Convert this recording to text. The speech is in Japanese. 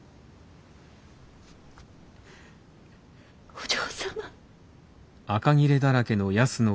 お嬢様。